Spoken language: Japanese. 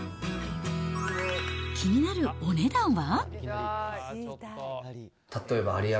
気になるお値段は？